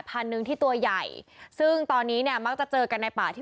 พันหนึ่งที่ตัวใหญ่ซึ่งตอนนี้เนี่ยมักจะเจอกันในป่าที่